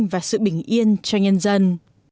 và sự bình yên cho nhân dân